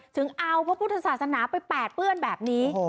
ถึงเอาพระพุทธศาสนาไปแปดเปื้อนแบบนี้